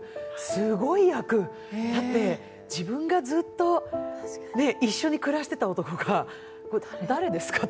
すごい役、だって自分がずっと一緒に暮らしてた男が誰ですか？